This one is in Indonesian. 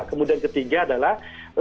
kemudian ketiga adalah